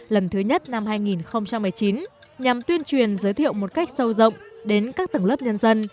lần thứ nhất năm hai nghìn một mươi chín nhằm tuyên truyền giới thiệu một cách sâu rộng đến các tầng lớp nhân dân